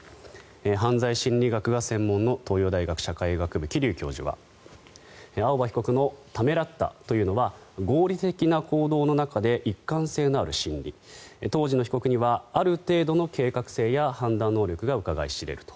犯罪心理学が専門の東洋大学社会学部、桐生教授は青葉被告のためらったというのは合理的な行動の中で一貫性のある心理当時の被告にはある程度の計画性や判断能力がうかがい知れると。